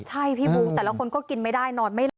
ใช่พี่บุ๊คแต่ละคนก็กินไม่ได้นอนไม่หลับ